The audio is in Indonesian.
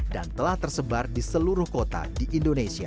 dan telah tersebar di seluruh kota di indonesia